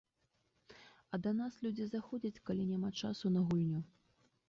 А да нас людзі заходзяць, калі няма часу на гульню.